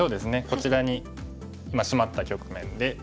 こちらにシマった局面で。